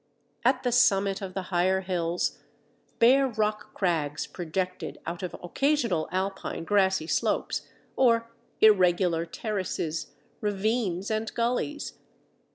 At the summit of the higher hills, bare rock crags projected out of occasional alpine grassy slopes, or irregular terraces, ravines, and gullies.